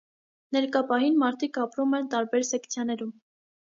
Ներկա պահին մարդիկ ապրում են տարբեր «սեկցիաներում»։